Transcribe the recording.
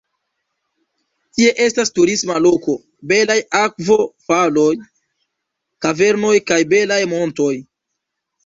Tie estas turisma loko, belaj akvo-faloj, kavernoj kaj belaj montoj.